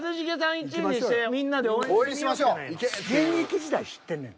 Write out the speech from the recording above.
現役時代知ってんねん。